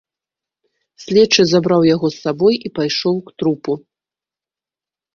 Следчы забраў яго з сабой і пайшоў к трупу.